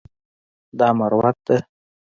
دا مروت ده.